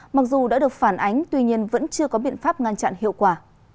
mặc dù đã được phản ánh tuy nhiên vẫn chưa có biện pháp ngăn chặn hiệu quả